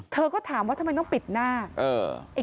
เธอก็ถามว่าทำไมต้องปิดหน้า